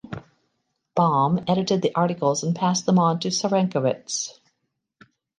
Baum edited the articles and passed them onto Cyrankiewicz.